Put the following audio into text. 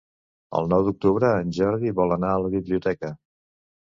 El nou d'octubre en Jordi vol anar a la biblioteca.